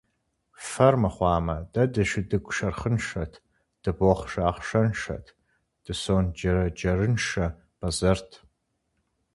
Фэр мыхъуамэ, дэ дышыдыгу шэрхъыншэт, дыбохъшэ ахъшэншэт, дысондэджэрыншэ бэзэрт…